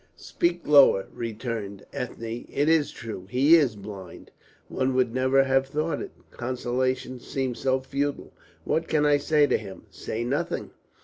"Speak lower," returned Ethne. "It is true. He is blind." "One would never have thought it. Consolations seem so futile. What can I say to him?" "Say nothing!"